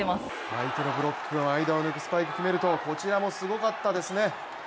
相手のブロックの間を抜くスパイクを決めるとこちらもすごかったですね。